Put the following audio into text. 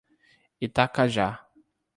Itacajá